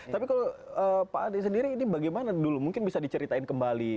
tapi kalau pak ade sendiri ini bagaimana dulu mungkin bisa diceritain kembali